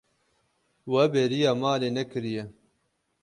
We bêriya malê nekiriye.